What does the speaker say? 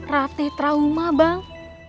rati trauma bang